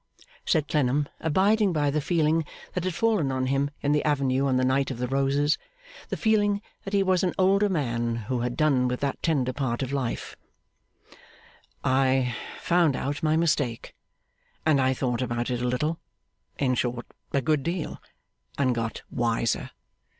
said Clennam, abiding by the feeling that had fallen on him in the avenue on the night of the roses, the feeling that he was an older man, who had done with that tender part of life, 'I found out my mistake, and I thought about it a little in short, a good deal and got wiser.